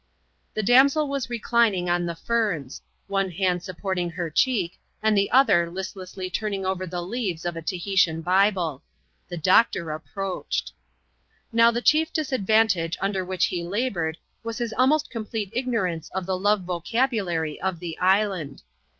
The damsel was reclining on the ferns ; one hand supporting her cheek, and the other listlessly turning over the leaves of a Tahitian Bible. The doctor approached. Now the chief disadvantage under which he laboured, was his almost complete ignorance of the love vocabulary of the island.